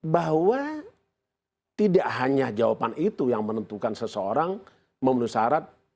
bahwa tidak hanya jawaban itu yang menentukan seseorang memenuhi syarat